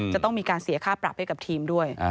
จะต้องมีการเสียค่าปรับให้กับทีมด้วย